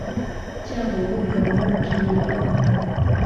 Cyangugu Bugarama na Kibuye Rwamatamu